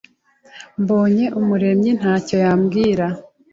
Mbonyumuremyi ntacyo yambwira.